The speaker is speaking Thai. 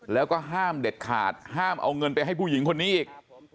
แล้วก็ห้ามเด็ดขาดห้ามเอาเงินไปให้ผู้หญิงคนนี้อีก